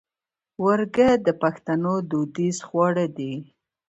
ورږۀ د پښتنو دوديز خواړۀ دي